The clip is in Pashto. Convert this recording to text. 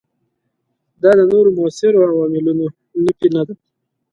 دا د نورو موثرو عواملونو نفي نه ده.